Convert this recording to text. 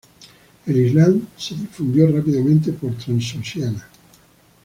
El Islam se difundió rápidamente por Transoxiana.